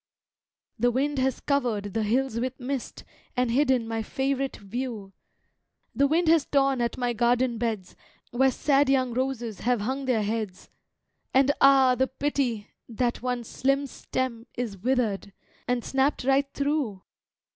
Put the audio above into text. The wind has covered the hills with mist, And hidden my favourite view, The wind has torn at my garden beds Where sad young roses have hung their heads, And ah! the pity, that one slim stem Is withered, and snapped right through.